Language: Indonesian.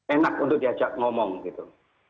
enak untuk diajak ngomong gitu